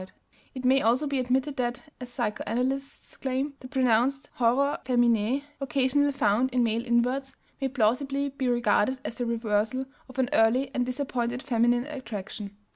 It may also be admitted that, as psychoanalysts claim, the pronounced horror feminæ occasionally found in male inverts may plausibly be regarded as the reversal of an early and disappointed feminine attraction.